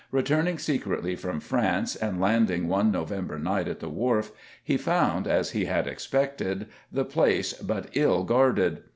Returning secretly from France, and landing one November night at the Wharf, he found, as he had expected, the place but ill guarded.